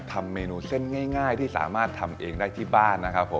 ทำเมนูเส้นง่ายที่สามารถทำเองได้ที่บ้านนะครับผม